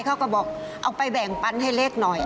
เขาก็บอกเอาไปแบ่งปันให้เล็กหน่อย